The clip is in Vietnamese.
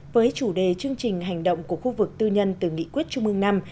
với chủ đề chương trình hành động của khu vực tư nhân từ nghị quyết trung ương năm